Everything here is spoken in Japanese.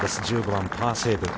１５番、パーセーブ。